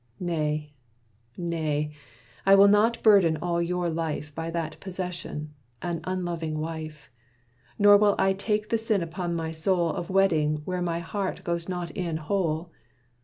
Nay, nay! I will not burden all your life By that possession an unloving wife; Nor will I take the sin upon my soul Of wedding where my heart goes not in whole.